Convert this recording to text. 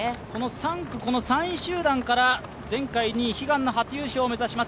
３区、３位集団から前回２位悲願の初優勝を狙います